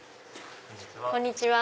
こんにちは。